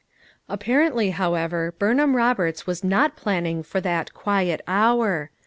Apparently, however, Burnham Roberts was not planning for that c ' quiet hour.